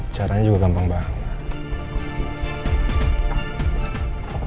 caranya juga gampang banget